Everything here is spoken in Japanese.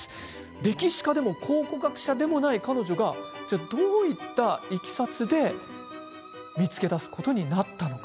歴史家でも考古学者でもない彼女がどういったいきさつで見つけ出すことになったのか。